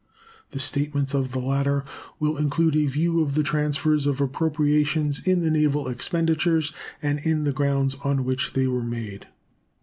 The statements of the latter will include a view of the transfers of appropriations in the naval expenditures and in the grounds on which they were made.